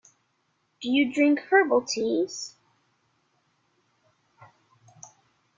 Do you drink herbal teas?